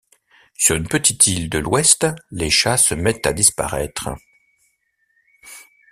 Sur une petite île de l'ouest, les chats se mettent à disparaître.